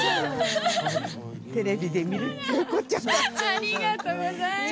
ありがとうございます！